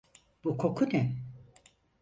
Bu koku ne?